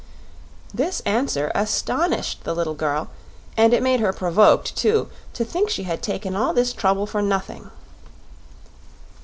This answer astonished the little girl; and it made her provoked, too, to think she had taken all this trouble for nothing.